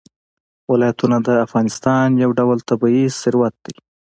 ولایتونه د افغانستان یو ډول طبعي ثروت دی.